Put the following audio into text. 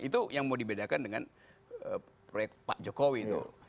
itu yang mau dibedakan dengan proyek pak jokowi itu